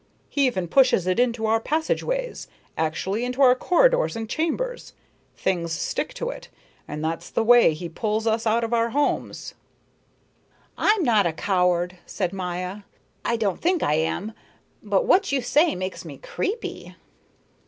He even pushes it into our passageways actually, into our corridors and chambers. Things stick to it, and that's the way he pulls us out of our homes." "I am not a coward," said Maya, "I don't think I am, but what you say makes me creepy."